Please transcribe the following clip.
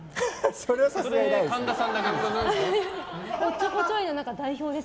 それは神田さんだけです。